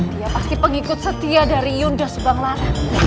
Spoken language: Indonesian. dia pasti pengikut setia dari ibu nda subanglar